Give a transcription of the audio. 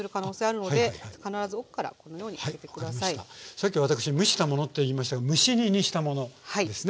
さっき私蒸したものって言いましたが蒸し煮にしたものですね。